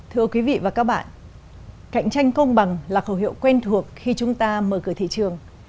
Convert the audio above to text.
thưa quý vị và các bạn cạnh tranh công bằng là khẩu hiệu quen thuộc khi chúng ta mở cửa thị trường